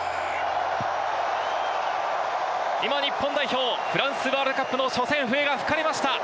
今日本代表フランスワールドカップの初戦笛が吹かれました。